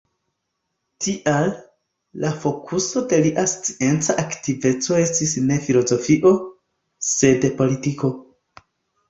Tial, la fokuso de lia scienca aktiveco estis ne filozofio, sed politiko.